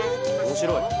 面白い！